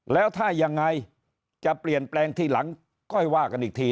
แล้วถ้ายังไงจะเปลี่ยนแปลงทีหลังค่อยว่ากันอีกที